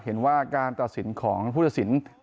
เห็นว่าการตัดสินของผู้ตัดสิน